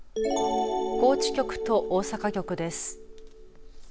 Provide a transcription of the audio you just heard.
高知局と大阪局です。